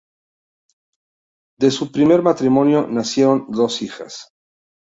De su primer matrimonio nacieron dos hijas.